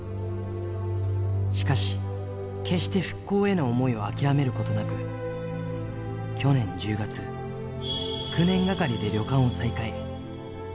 しかし、決して復興への想いを諦めることなく、去年１０月、９年がかりで旅館を再開。